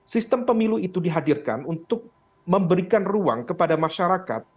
sistem pemilu itu dihadirkan untuk memberikan ruang kepada masyarakat